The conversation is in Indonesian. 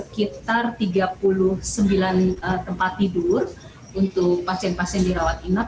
kita bisa menambahkan sekitar tiga puluh sembilan tempat tidur untuk pasien pasien di rawat inap